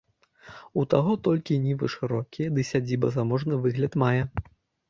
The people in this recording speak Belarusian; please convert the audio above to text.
У таго толькі нівы шырокія ды сядзіба заможны выгляд мае.